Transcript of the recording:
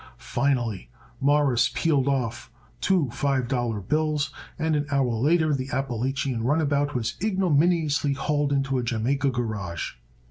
Finally Morris peeled off two five dollar bills and an hour later the Appalachian runabout was ignominiously hauled into a Jamaica garage.